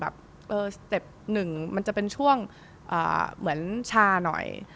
สเต็ปหนึ่งมันจะเป็นช่วงเหมือนชาหน่อย